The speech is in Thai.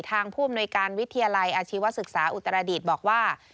ทางภูมิโนยการวิทยาลัยอาชีวศึกษาอุตรดิตบอกว่า